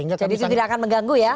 jadi itu tidak akan mengganggu ya